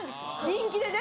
人気でね。